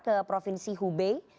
ke provinsi hubei